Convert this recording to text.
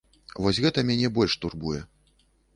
Вось гэта мяне больш турбуе.